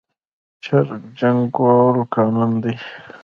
چرګ جنګول قانوني دي؟